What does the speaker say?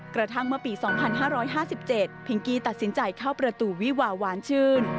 กระทั่งเมื่อปี๒๕๕๗พิงกี้ตัดสินใจเข้าประตูวิวาหวานชื่น